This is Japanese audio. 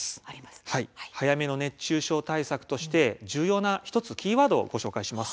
早めの熱中症対策として重要なキーワードを１つご紹介します。